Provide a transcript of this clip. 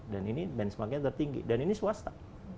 dan ini benchmarknya tertinggi dan ini swasta